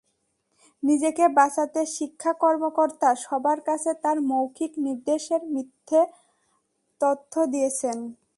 নিজেকে বাঁচাতে শিক্ষা কর্মকর্তা সবার কাছে তাঁর মৌখিক নির্দেশের মিথ্যা তথ্য দিয়েছেন।